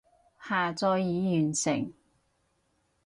下載已完成